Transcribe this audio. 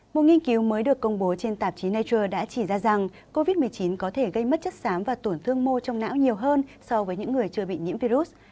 một nghiên cứu mới được công bố trên tạp chí nature đã chỉ ra rằng covid một mươi chín có thể gây mất chất xám và tổn thương mô trong não nhiều hơn so với những người chưa bị nhiễm virus